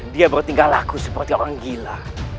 dia bertingkah lagu seperti orang gila